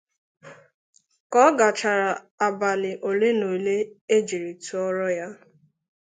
Ka ọ gachaara abalị olenaole e jiri tọrọ ha